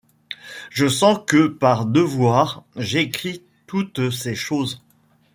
Je sens que par devoir j'écris toutes ces choses